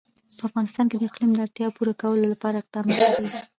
په افغانستان کې د اقلیم د اړتیاوو پوره کولو لپاره اقدامات کېږي.